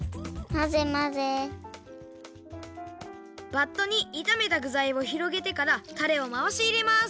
バットにいためたぐざいをひろげてからタレをまわしいれます。